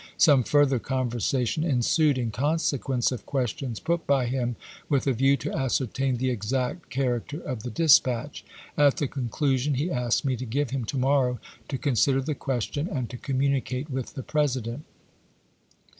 Some further conversation ensued in conse quence of questions put by him with a view to ascertain the exact character of the dispatch. At the conclusion Lyons to he asked me to give him to morrow to consider the ques Dec.i9,i86i. tion and to communicate with the President.